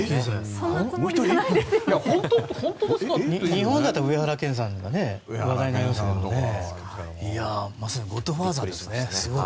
日本だったら上原謙さんが話題になりましたけどまさに「ゴッドファーザー」ですね。